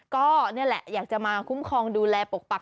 ก็นี่แหละอยากจะมาคุ้มครองดูแลปกปัก